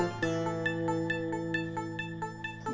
di mana sih